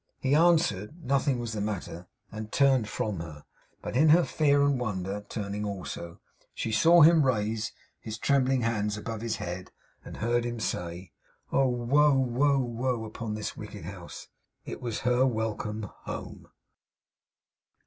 He answered nothing was the matter; and turned from her. But in her fear and wonder, turning also, she saw him raise his trembling hands above his head, and heard him say: 'Oh! woe, woe, woe, upon this wicked house!' It was her welcome HOME.